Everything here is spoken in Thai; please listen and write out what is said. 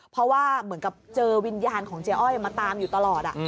เพราะว่าเหมือนกับเจอวิญญาณของเจ๊อ้อยมาตามอยู่ตลอด